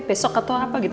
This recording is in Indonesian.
besok atau apa gitu